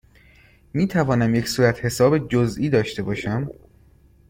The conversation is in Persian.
می توانم یک صورتحساب جزئی داشته باشم؟